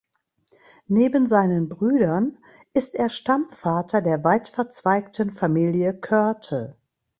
Neben seinen Brüdern ist er Stammvater der weitverzweigten Familie Körte.